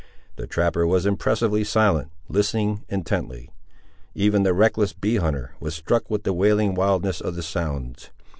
The trapper was impressively silent, listening intently. Even the reckless bee hunter, was struck with the wailing wildness of the sounds.